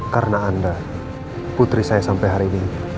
karena anda putri saya sampai hari ini